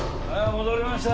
戻りました。